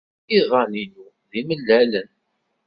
Iḍan-inu d imellalen.